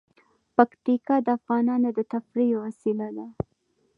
پکتیکا د افغانانو د تفریح یوه وسیله ده.